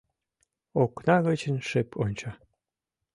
Окна гычын шып онча: